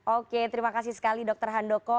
oke terima kasih sekali dokter handoko